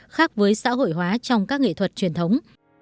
khác với xã hội hóa trong các nghệ thuật truyền thống